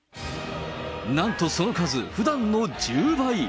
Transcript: なんとその数、ふだんの１０倍。